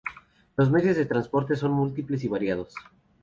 Los medios de transportes son múltiples y variados.